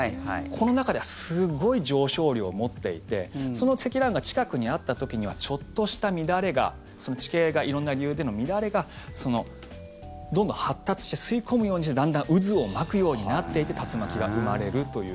この中ではすごい上昇量を持っていてその積乱雲が近くにあった時にはちょっとした乱れがその地形が色んな理由での乱れがどんどん発達して吸い込むようにしてだんだん渦を巻くようになっていって竜巻が生まれるという。